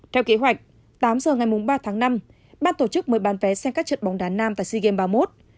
theo kế hoạch tám h ngày ba tháng năm ban tổ chức mới bán vé xem các trận bóng đá nam và sea games ba mươi một